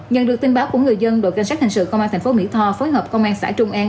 nhận được tin báo của người dân đội cảnh sát hình sự công an thành phố mỹ tho phối hợp công an xã trung an